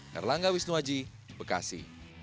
herlangga wisnuwaji bekasi